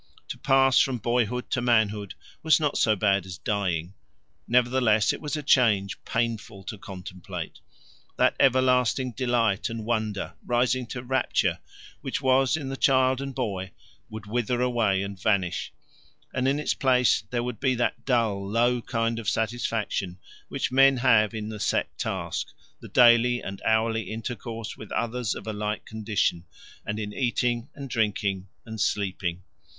To pass from boyhood to manhood was not so bad as dying; nevertheless it was a change painful to contemplate. That everlasting delight and wonder, rising to rapture, which was in the child and boy would wither away and vanish, and in its place there would be that dull low kind of satisfaction which men have in the set task, the daily and hourly intercourse with others of a like condition, and in eating and drinking and sleeping.